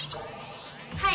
はい！